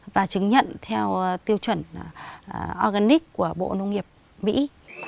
và chứng nhận theo tiêu chuẩn organic của bộ nông nghiệp mỹ